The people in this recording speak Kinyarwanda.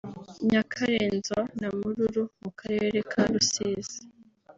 Nyakarenzo na Mururu mu Karere ka Rusizi